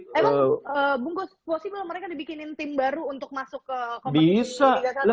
emang mungkin emang bung ngoz mungkin mereka dibikinin tim baru untuk masuk ke kompetisi liga satu